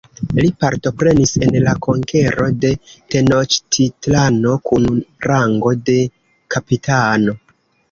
Li partoprenis en la konkero de Tenoĉtitlano kun rango de kapitano.